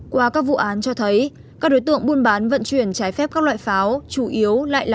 qua các vụ án cho thấy các đối tượng buôn bán vận chuyển trái phép các loại pháo chủ yếu lại là